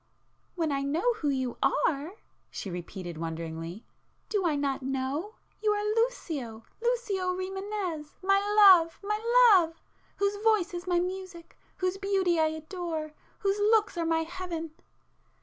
"When I know who you are!" she repeated wonderingly—"Do I not know? You are Lucio,—Lucio Rimânez—my love,—my love!—whose voice is my music,—whose beauty I adore,—whose looks are my heaven"...